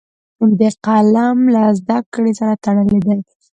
قلم له زده کړې سره تړلی دی